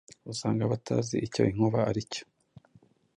usanga batazi icyo inkuba ari cyo